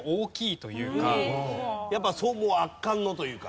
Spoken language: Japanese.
やっぱ圧巻のというか。